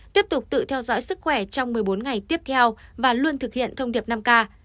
tiếp tục tự theo dõi sức khỏe trong một mươi bốn ngày tiếp theo và luôn thực hiện thông điệp năm k